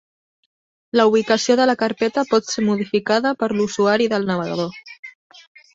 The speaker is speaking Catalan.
La ubicació de la carpeta pot ser modificada per l'usuari del navegador.